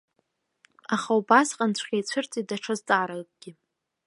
Аха убасҟанҵәҟьа ицәырҵит даҽа зҵааракгьы.